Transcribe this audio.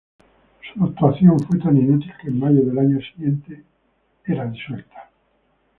Su actuación fue tan inútil que en mayo del año siguiente fue disuelta.